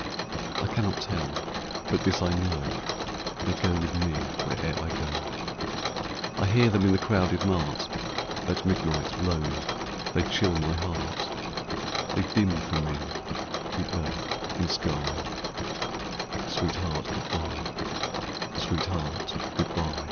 I cannot tell, but this I know They go with me where'er I go, I hear them in the crowded mart, At midnight lone, they chill my heart They dim for me the earth and sky, Sweetheart, good by, sweetheart good by.